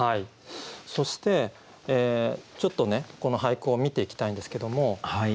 そしてちょっとねこの俳句を見ていきたいんですけども。